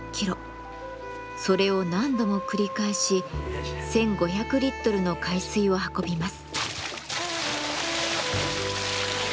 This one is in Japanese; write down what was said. それを何度も繰り返し１，５００リットルの海水を運びます。